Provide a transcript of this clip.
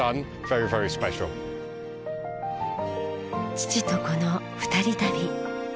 父と子の２人旅。